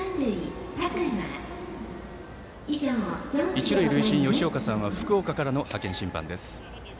一塁塁審、吉岡さんは福岡からの派遣審判です。